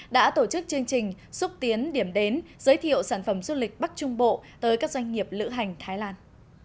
đã tổ chức chương trình xúc tiến điểm đến giới thiệu sản phẩm du lịch bắc trung bộ tới các doanh nghiệp lữ hành thái lan